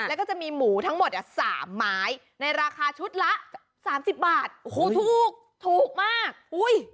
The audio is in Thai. แล้วก็จะมีหมูทั้งหมดอ่ะสามไม้ในราคาชุดละสามสิบบาทโอ้โหถูกถูกมากอุ้ย